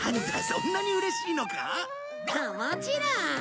そんなにうれしいのか？ももちろん！